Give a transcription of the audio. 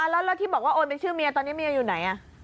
แล้วที่บอกว่าโอนเป็นชื่อเมียตอนนี้เมียอยู่ไหน